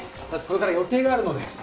私これから予定があるので。